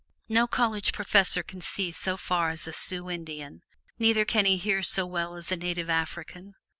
No college professor can see so far as a Sioux Indian, neither can he hear so well as a native African.